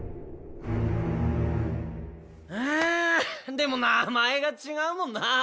でも名前が違うもんな。